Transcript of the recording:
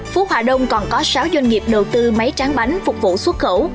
phú hòa đông còn có sáu doanh nghiệp đầu tư máy tráng bánh phục vụ xuất khẩu